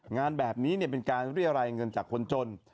งานแบบนี้เป็นการเรียรายเงินจากคนจน